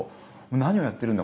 何をやっているんだ